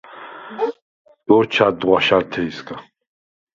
სგო̄ჩა̈დდ ღვაშა̈რთე̄ჲსგა.